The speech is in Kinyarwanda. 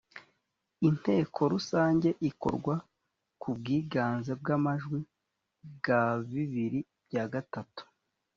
inteko rusange ikorwa kubwiganze bw’amajwi bwa bibiri bya gatatu